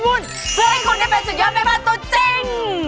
วุ่นเพื่อให้คุณได้เป็นสุดยอดแม่บ้านตัวจริง